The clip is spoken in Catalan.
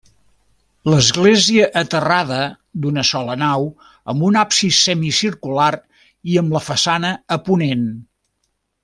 Església aterrada d'una sola nau amb un absis semicircular i amb la façana a ponent.